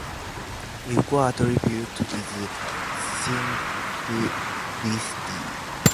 Its core attribute is simplicity.